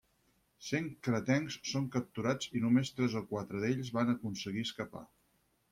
Cent cretencs són capturats i només tres o quatre d'ells van aconseguir escapar.